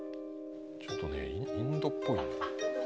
ちょっとねインドっぽい。